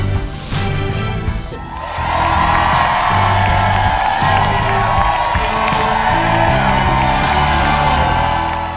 สวัสดีครับ